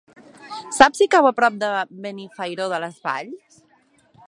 Saps si cau a prop de Benifairó de les Valls?